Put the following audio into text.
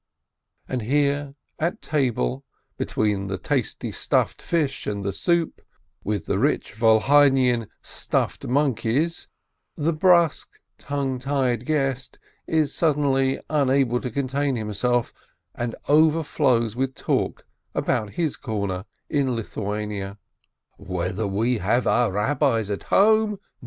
And here, at table, between the tasty stuffed fish and the soup, with the rich Volhynian "stuffed monkeys," the brusque, tongue tied guest is suddenly unable to contain himself, and overflows with talk about his corner in Lithuania. "Whether we have our Eabbis at home